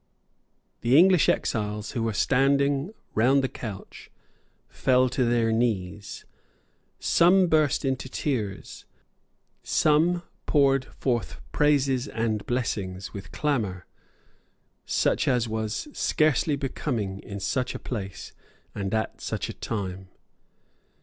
The English exiles who were standing round the couch fell on their knees. Some burst into tears. Some poured forth praises and blessings with clamour such as, was scarcely becoming in such a place and at such a time.